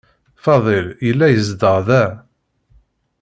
Fadil yella yezdeɣ da.